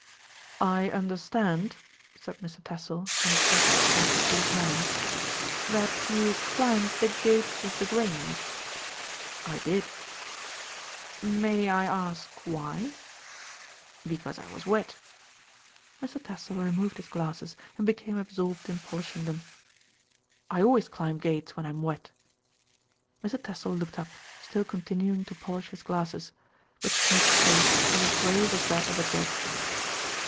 "I understand," said Mr. Tassell in his best county court manner, "that you climbed the gates of The Grange." "I did." "May I ask why?" "Because I was wet." Mr. Tassell removed his glasses and became ab sorbed in polishing them. "I always climb gates when I'm wet." Mr. Tassell looked up, still continuing to polish his glasses; but Smith's face was as grave as that of a judge.